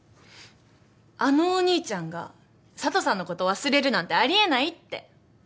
あのお兄ちゃんが佐都さんのこと忘れるなんてあり得ないって！